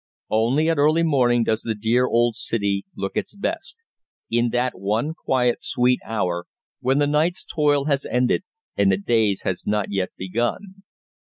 Only at early morning does the dear old City look its best; in that one quiet, sweet hour when the night's toil has ended and the day's has not yet begun.